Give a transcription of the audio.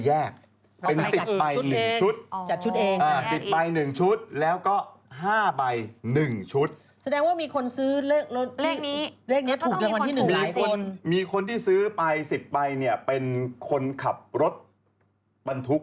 เลขนี้ถูกดังวันที่๑มีคนที่ซื้อไป๑๐ใบเป็นคนขับรถบรรทุก